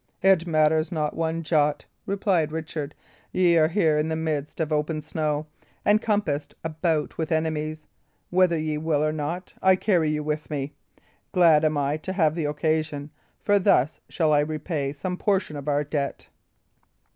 "It matters not one jot," replied Richard. "Ye are here in the midst of open snow, and compassed about with enemies. Whether ye will or not, I carry you with me. Glad am I to have the occasion; for thus shall I repay some portion of our debt."